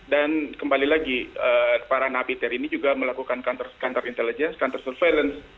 dan kembali lagi para napiter ini juga melakukan counter intelligence counter surveillance